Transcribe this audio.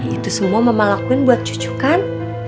itu semua mama lakuin buat cucu kan